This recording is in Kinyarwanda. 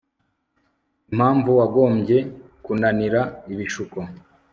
Impamvu wagombye kunanira ibishuko